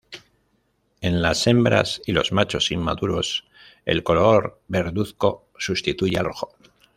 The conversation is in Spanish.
En las hembras y los machos inmaduros, el color verduzco sustituye al rojo.